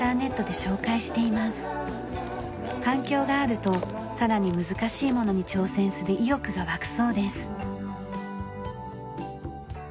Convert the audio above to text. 反響があるとさらに難しいものに挑戦する意欲が湧くそうです。